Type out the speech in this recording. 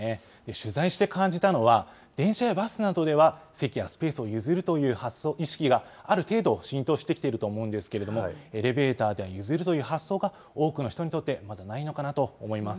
取材して感じたのは、電車やバスなどでは席やスペースを譲るという発想、意識がある程度浸透してきていると思うんですけれども、エレベーターでは譲るという発想が多くの人にとって、まだないのかなと思います。